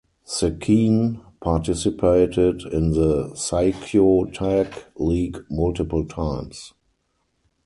Sekine participated in the Saikyo Tag League multiple times.